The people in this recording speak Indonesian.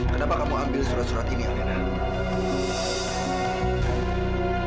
kenapa kamu ambil surat surat ini akhirnya